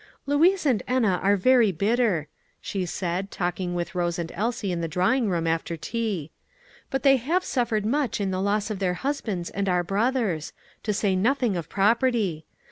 "Louise and Enna are very bitter," she said, talking with Rose and Elsie in the drawing room after tea; "but they have suffered much in the loss of their husbands and our brothers; to say nothing of property.